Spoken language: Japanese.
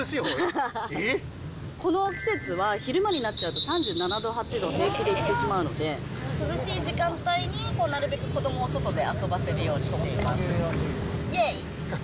この季節は、昼間になっちゃうと３７度、８度、平気でいってしまうので、涼しい時間帯に、なるべく子どもを外で遊ばせるようにしています。